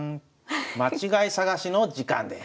間違い探しの時間です。